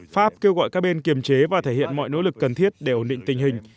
pháp kêu gọi các bên kiềm chế và thể hiện mọi nỗ lực cần thiết để ổn định tình hình